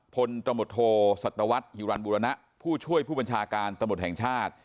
พลตมบรรถโทสัตตวัสฮิวันบูรณะผู้ช่วยผู้บัญชาการตมตรแห่งชาติ